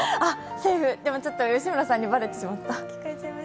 セーフ、でも吉村さんにバレてしまった。